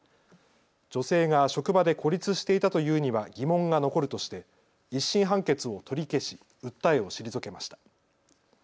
女性が職場で孤立していたというには疑問が残るとして１審判決を取り消し訴えを退けました。